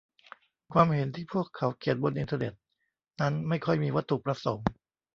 ความเห็นที่พวกเขาเขียนบนอินเทอร์เน็ตนั้นไม่ค่อยมีวัตถุประสงค์